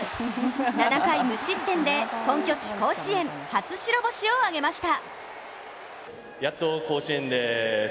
７回無失点で本拠地・甲子園初白星を挙げました